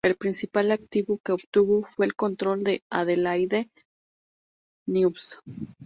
El principal activo que obtuvo fue el control de "Adelaide News".